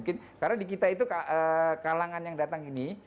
karena di kita itu kalangan yang datang ini